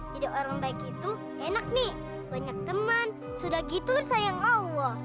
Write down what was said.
jadi orang baik itu enak nih banyak teman sudah gitu sayang allah